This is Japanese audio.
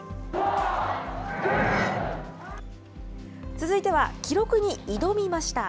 続いては、記録に挑みました。